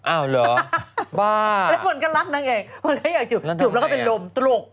อ้าวเหรอบ้าแล้วคนก็รักนางเอกคนก็อยากจุบแล้วก็เป็นลมตลุก